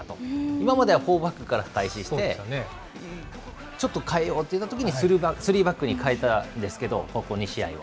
今までは４バックから開始して、ちょっと変えようというときに３バックに変えたんですけど、ここ２試合は。